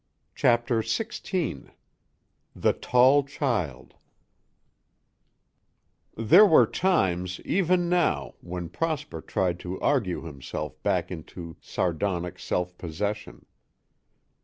CHAPTER XVI THE TALL CHILD There were times, even now, when Prosper tried to argue himself back into sardonic self possession.